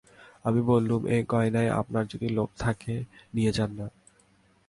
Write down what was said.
আমি বললুম, এ গয়নায় আপনার যদি লোভ থাকে নিয়ে যান-না।